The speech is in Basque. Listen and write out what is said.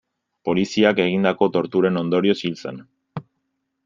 Poliziak egindako torturen ondorioz hil zen.